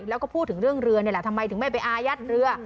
แล้วก็พูดถึงเรื่องเรือนี่แหละทำไมถึงไม่ไปอายัดเรือ